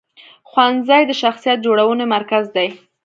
ښوونځی د شخصیت جوړونې مرکز دی.